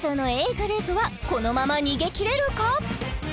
ｇｒｏｕｐはこのまま逃げ切れるか？